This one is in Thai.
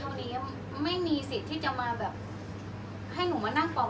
อันไหนที่มันไม่จริงแล้วอาจารย์อยากพูด